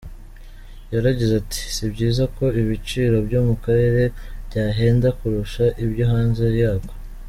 Yaragize ati “ Si byiza ko ibiciro byo mu karere byahenda kurusha ibyo hanze yako.